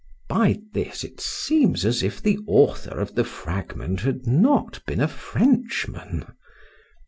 [By this it seems as if the author of the fragment had not been a Frenchman.